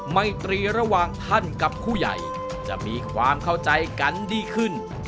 ไม่ตรีระหว่างท่านกับผู้ใหญ่จะมีความเข้าใจกันดีขึ้น